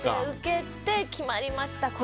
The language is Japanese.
受けて、決まりました。